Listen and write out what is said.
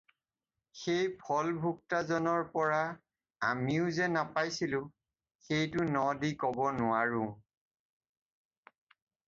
সেই ফলভোক্তাজনৰ পৰা আমিও যে নাপাইছিলোঁ সেইটো ন দি ক’ব নোৱাৰোঁ।